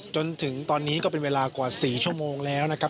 จนถึงตอนนี้ก็เป็นเวลากว่า๔ชั่วโมงแล้วนะครับ